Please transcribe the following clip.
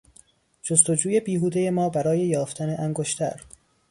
جستجوی بیهودهی ما برای یافتن انگشتر